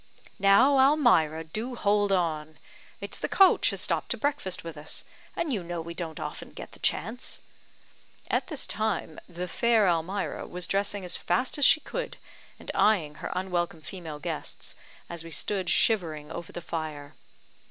"Now, Almira, do hold on. It's the coach has stopped to breakfast with us; and you know we don't often get the chance." All this time the fair Almira was dressing as fast as she could, and eyeing her unwelcome female guests, as we stood shivering over the fire.